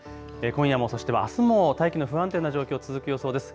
今夜も、そしてはあすも大気の不安定な状況、続く予想です。